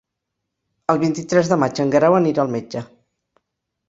El vint-i-tres de maig en Guerau anirà al metge.